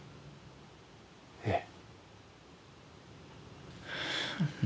ええ。